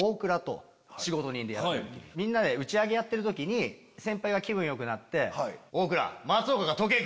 みんなで打ち上げやってる時に先輩が気分良くなって。